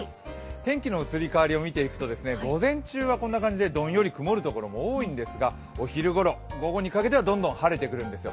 天気の移り変わりを見ていくと、午前中はこんな感じでどんより曇る所も多いんですがお昼ごろ、午後にかけてはどんどん晴れてくるんですよ。